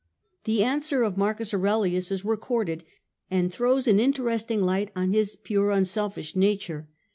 The answer of M. Aurelius is recorded, and throws an interesting light on his pure unselfish nature.